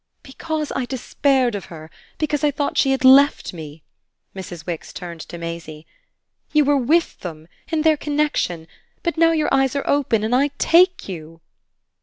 "Because I despaired of her because I thought she had left me." Mrs. Wix turned to Maisie. "You were WITH them in their connexion. But now your eyes are open, and I take you!"